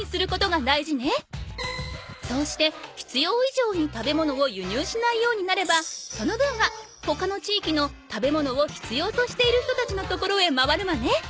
そうしてひつよういじょうに食べ物をゆにゅうしないようになればその分は他のちいきの食べ物をひつようとしている人たちのところへ回るわね。